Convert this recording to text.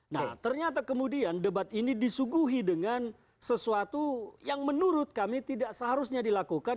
nah ternyata kemudian debat ini disuguhi dengan sesuatu yang menurut kami tidak seharusnya dilakukan